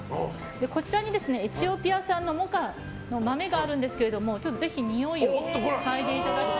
こちらにエチオピア産モカの豆があるんですがぜひ、においをかいでみてください。